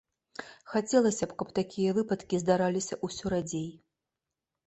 Хацелася б, каб такія выпадкі здараліся ўсё радзей.